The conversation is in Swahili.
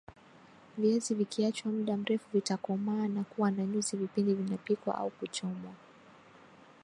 viazi vikiachwa mda mrefu vitakomaa na kuwa na nyuzi vipindi vinapikwa au kuchomwa